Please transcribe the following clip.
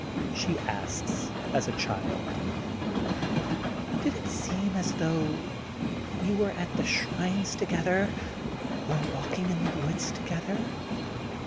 ' She asks, as a child: ^^Did it seem as though we were at shrines together or walking in the woods together!